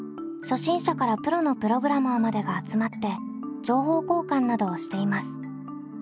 初心者からプロのプログラマーまでが集まって情報交換などをしています。